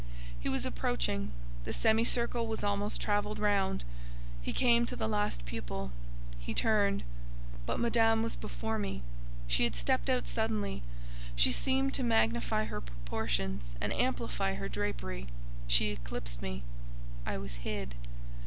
He was approaching; the semicircle was almost travelled round; he came to the last pupil; he turned. But Madame was before me; she had stepped out suddenly; she seemed to magnify her proportions and amplify her drapery; she eclipsed me; I was hid.